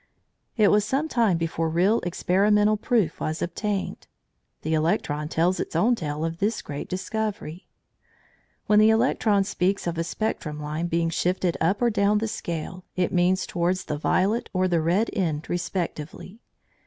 It was some time before real experimental proof was obtained. The electron tells its own tale of this great discovery. When the electron speaks of a spectrum line being shifted up or down the scale, it means towards the violet or the red end respectively.